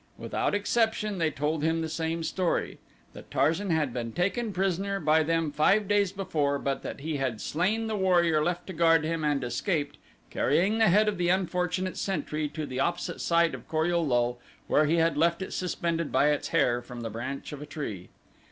Without exception they told him the same story that Tarzan had been taken prisoner by them five days before but that he had slain the warrior left to guard him and escaped, carrying the head of the unfortunate sentry to the opposite side of Kor ul lul where he had left it suspended by its hair from the branch of a tree.